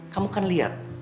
kamu kan lihat